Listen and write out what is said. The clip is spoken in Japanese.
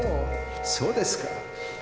そうですか。